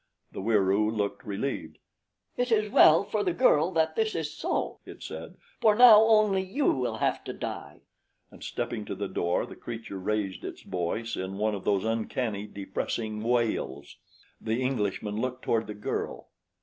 The Wieroo looked relieved. "It is well for the girl that this is so," it said, "for now only you will have to die." And stepping to the door the creature raised its voice in one of those uncanny, depressing wails. The Englishman looked toward the girl.